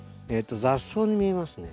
雑草に見えますね。